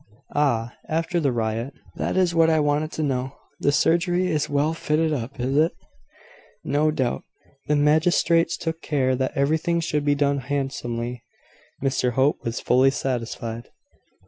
"Ah! after the riot; that is what I wanted to know. The surgery is well fitted up, is it?" "No doubt. The magistrates took care that everything should be done handsomely. Mr Hope was fully satisfied."